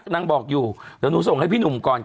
นางบอกอยู่เดี๋ยวหนูส่งให้พี่หนุ่มก่อนค่ะ